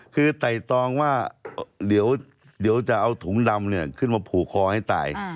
คือไต่ตองว่าเดี๋ยวจะเอาถุงดำขึ้นมาผูกคอให้ตาย